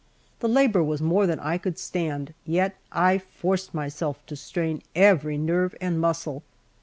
The labour was more than I could stand; yet I forced myself to strain every nerve and muscle.